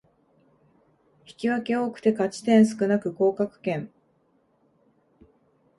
引き分け多くて勝ち点少なく降格圏